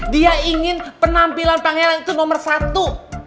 dia ingin penampilan pangeran itu nomor satu